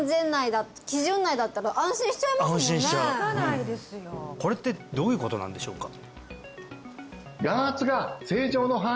安心しちゃうこれってどういうことなんでしょうか？